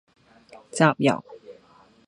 集郵